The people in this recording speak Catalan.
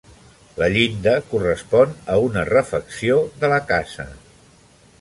La llinda correspon a una refacció de la casa.